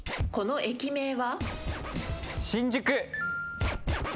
この駅名は？